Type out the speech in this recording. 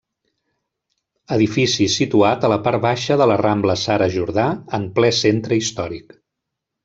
Edifici situat a la part baixa de la Rambla Sara Jordà en ple centre històric.